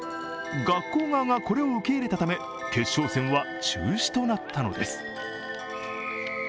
学校側がこれを受け入れたため、決勝戦は中止となったのです。